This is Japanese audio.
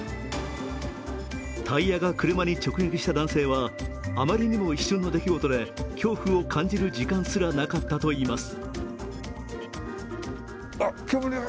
タイヤが車に直撃した男性は、あまりにも一瞬の出来事で恐怖を感じる時間すらなかったといいます。